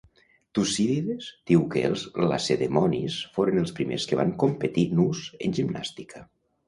Tucídides diu que els lacedemonis foren els primers que van competir nus en gimnàstica.